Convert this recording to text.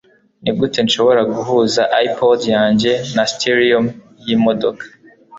Nigute nshobora guhuza iPod yanjye na stereo yimodoka?